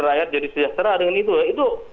rakyat jadi sejahtera dengan itu